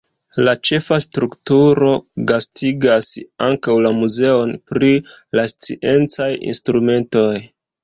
La ĉefa strukturo gastigas ankaŭ la muzeon pri la sciencaj instrumentoj.